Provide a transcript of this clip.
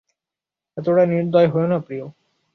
এতোটা নির্দয় হয়ো না, প্রিয়।